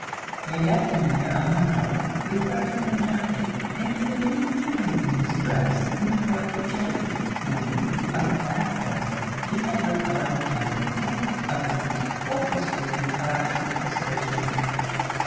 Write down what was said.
They left him there on the knoll, refreshed and happy, and with a new feeling in his breast in regard to Jacky, whom, up to that day, he had regarded as an imp of the most hopelessly incorrigible description.